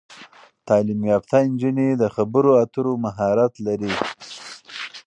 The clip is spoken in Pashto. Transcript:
تعلیم یافته نجونې د خبرو اترو مهارت لري.